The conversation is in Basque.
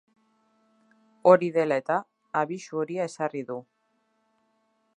Hori dela eta, abisu horia ezarri du.